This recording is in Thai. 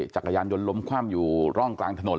จักรยานยนต์ล้มคว่ำอยู่ร่องกลางถนน